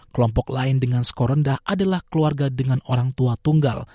kelompok lain dengan skor rendah adalah keluarga dengan orang tua tunggal